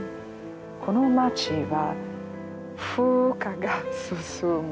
この町は風化が進む。